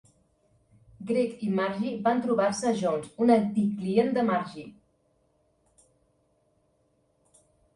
Gregg i Margy van trobar-se a Jones, un antic client de Margy.